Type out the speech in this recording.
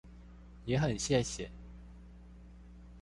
也很謝謝